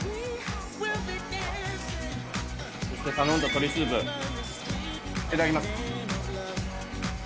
そして頼んだ鶏スープいただきます。